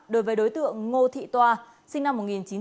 đối với đối tượng ngô thị toa sinh năm một nghìn chín trăm tám mươi